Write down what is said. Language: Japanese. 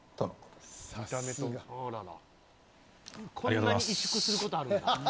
こんなに萎縮することあるんだ。